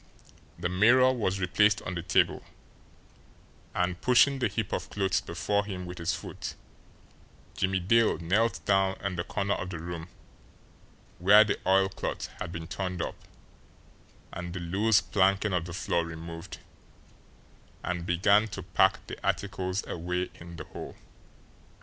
The mirror was replaced on the table; and, pushing the heap of clothes before him with his foot, Jimmie Dale knelt down in the corner of the room where the oilcloth had been turned up and the loose planking of the floor removed, and began to pack the articles away in the hole.